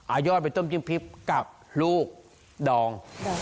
อายอดเป็นต้นจิ้มพริบกับลูกดอง